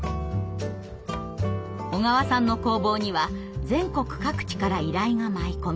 小川さんの工房には全国各地から依頼が舞い込みます。